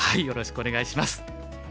よろしくお願いします。